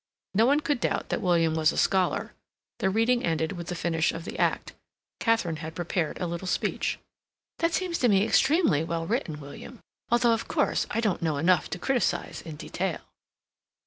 No one could doubt that William was a scholar. The reading ended with the finish of the Act; Katharine had prepared a little speech. "That seems to me extremely well written, William; although, of course, I don't know enough to criticize in detail."